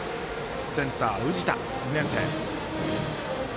センター、宇治田、２年生。